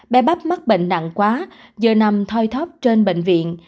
bé bắp mắc bệnh nặng quá giờ nằm thoi thóc trên bệnh viện